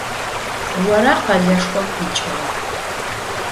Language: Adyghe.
Ора къэлэшхом къикӏыгъэр?